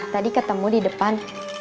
tadi ketemu di depan